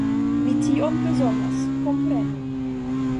Mi tion bezonas, komprenu.